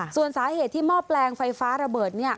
ส่วนสาเหตุที่เมาะแปลงไฟฟ้าระเบิดเนี่ย